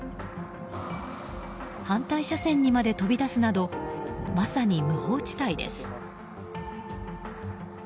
反対車線にまで飛び出すなどまさに無法地帯です。